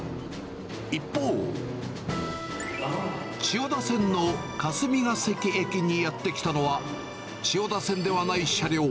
一方、千代田線の霞ケ関駅にやって来たのは、千代田線ではない車両。